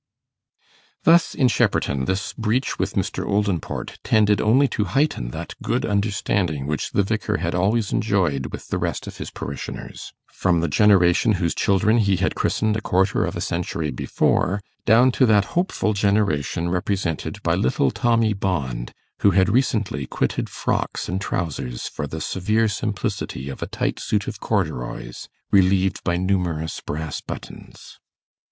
Thus in Shepperton this breach with Mr. Oldinport tended only to heighten that good understanding which the Vicar had always enjoyed with the rest of his parishioners, from the generation whose children he had christened a quarter of a century before, down to that hopeful generation represented by little Tommy Bond, who had recently quitted frocks and trousers for the severe simplicity of a tight suit of corduroys, relieved by numerous brass buttons.